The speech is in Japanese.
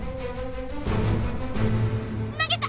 投げた！